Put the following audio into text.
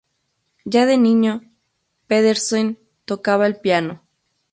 Ya de niño, Pedersen tocaba el piano.